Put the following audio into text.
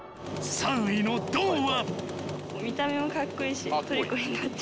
３位の銅は。